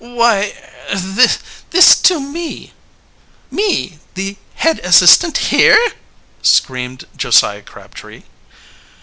"Why er this to me me, the head assistant here?" screamed Josiah Crabtree.